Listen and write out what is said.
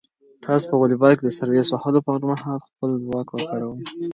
تاسو په واليبال کې د سرویس وهلو پر مهال خپل ځواک وکاروئ.